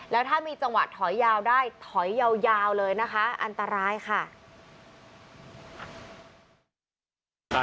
แล้วถ้ามีจังหวะถอยยาวได้ถอยยาวเลยนะคะอันตรายค่ะ